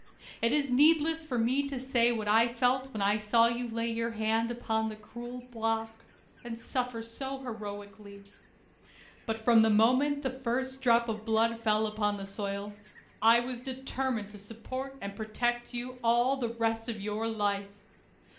It is needless for me to say what I felt when I saw you lay your hand upon the cruel block, and suffer so heroically. But from the moment the first drop of blood fell upon the soil, I was determined to support and protect you all the rest of your life.